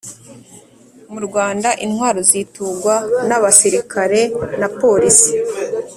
mu Rwanda intwaro zitugwa na basirikare na polisi